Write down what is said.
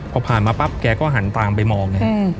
พอผ่านมาปั๊บแกก็หันตามไปมองเลย